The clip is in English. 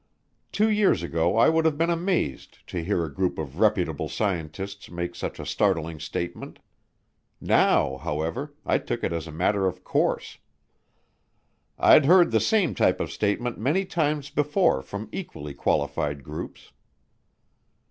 Two years ago I would have been amazed to hear a group of reputable scientists make such a startling statement. Now, however, I took it as a matter of course. I'd heard the same type of statement many times before from equally qualified groups.